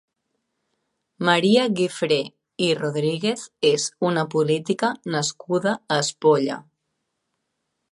Maria Gifré i Rodríguez és una política nascuda a Espolla.